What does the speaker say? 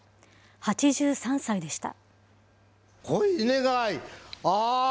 ８３歳でした。